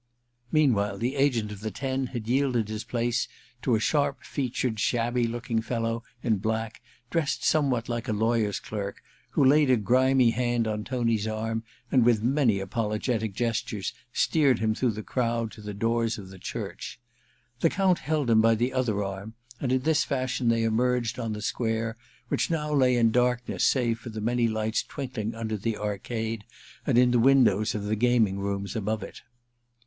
Meanwhile the agent of the Ten had yielded I ENTERTAINMENT 325 his place to a sharp featured shabby looking fellow in black, dressed somewhat like a lawyer*s clerk, who laid a grimy hand on Tony's arm, and with many apologetic gestures steered him through the crowd to the doors of the church. The Count held him by the other arm, and in this fashion they emerged on the square, which now lay in darkness save for the many lights twinkling under the arcade and in the windows of the gaming rooms above it.